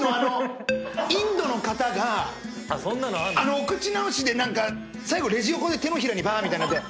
インドの方がお口直しで最後レジ横で手のひらにばーっみたいので。